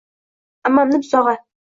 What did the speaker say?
Ammammi buzog'i.